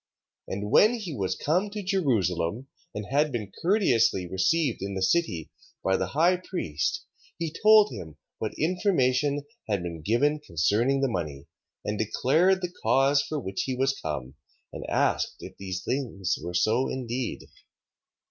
3:9. And when he was come to Jerusalem, and had been courteously received in the city by the high priest, he told him what information had been given concerning the money: and declared the cause for which he was come: and asked if these things were so indeed.